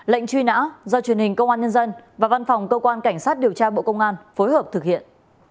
lệnh truy nã do truyền hình công an nhân dân và văn phòng cơ quan cảnh sát điều tra bộ công an phối hợp thực hiện